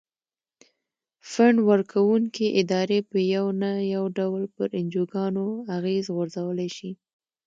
فنډ ورکوونکې ادارې په یو نه یو ډول پر انجوګانو اغیز غورځولای شي.